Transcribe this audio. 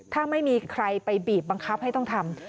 ถ้าไม่มีใครไปบีบบังคับให้ต้องทำ